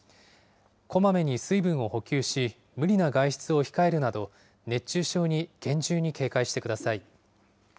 こまめに水分を補給し、無理な外出を控えるなど、熱中症に厳重に警戒してください。